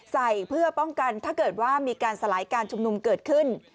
ใส่เพื่อป้องกันถ้าเกิดว่ามีการสลายการชุมนุมเกิดขึ้น